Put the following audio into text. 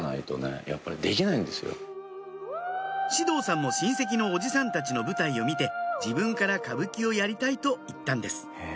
獅童さんも親戚の叔父さんたちの舞台を見て自分から歌舞伎をやりたいと言ったんです